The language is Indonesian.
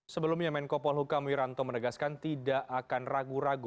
sebelumnya menkopol hukum wiranto menegaskan tidak akan ragu ragu